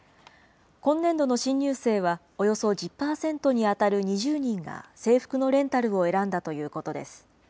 今年度の新入生は、およそ１０％に当たる２０人が、制服のレンタルを選んだということです。